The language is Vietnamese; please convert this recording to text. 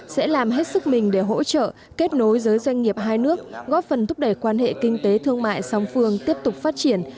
sẽ làm hết sức mình để hỗ trợ kết nối giới doanh nghiệp hai nước góp phần thúc đẩy quan hệ kinh tế thương mại song phương tiếp tục phát triển